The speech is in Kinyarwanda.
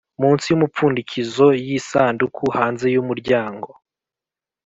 munsi yumupfundikizo yisanduku - hanze yumuryango;